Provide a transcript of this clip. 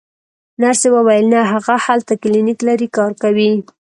نرسې وویل: نه، هغه هلته کلینیک لري، کار کوي.